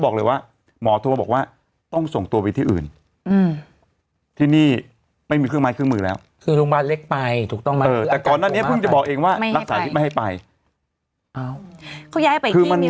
เขาย้ายไปอีกที่มีเรื่องประกันสังคม